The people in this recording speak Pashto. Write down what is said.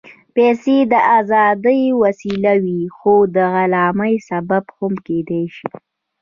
پېسې د ازادۍ وسیله وي، خو د غلامۍ سبب هم کېدای شي.